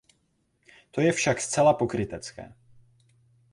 To je však zcela pokrytecké.